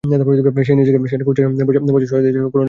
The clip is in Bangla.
সে নিজেকে উচ্চাসনে বসাইয়া স্বজাতীয়দের করুণার চোখে দেখিয়া থাকে।